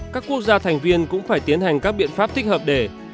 các quốc gia thành viên cũng phải tiến hành các biện pháp thích hợp để